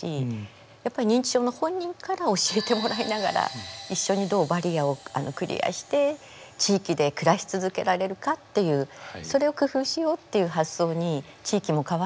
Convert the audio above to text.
やっぱり認知症の本人から教えてもらいながら一緒にどうバリアをクリアして地域で暮らし続けられるかっていうそれを工夫しようっていう発想に地域も変わっていくと。